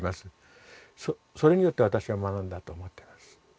それによって私は学んだと思ってます。